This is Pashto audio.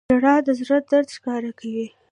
• ژړا د زړه درد ښکاره کوي.